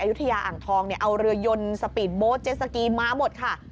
ยุธยาอ่างทองเนี่ยเอาเรือยนสปีดโบ๊ทเจสสกีมาหมดค่ะ